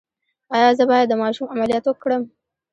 ایا زه باید د ماشوم عملیات وکړم؟